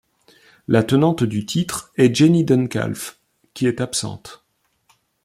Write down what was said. La tenante du titre est Jenny Duncalf, qui est absente.